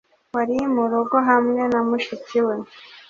wari mu rugo hamwe na mushiki we